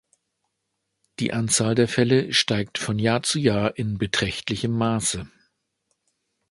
Die Anzahl der Fälle steigt von Jahr zu Jahr in beträchtlichem Maße.